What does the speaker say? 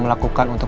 mas likeya enak